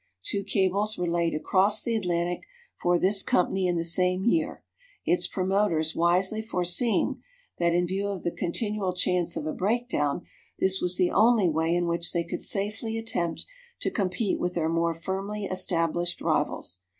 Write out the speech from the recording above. Two cables were laid across the Atlantic for this company in the same year, its promoters wisely foreseeing that, in view of the continual chance of a breakdown, this was the only way in which they could safely attempt to compete with their more firmly established rivals.